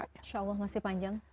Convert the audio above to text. insya allah masih panjang